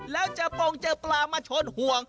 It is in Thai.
แล้วจะต้องเจอปลามาชนห่วง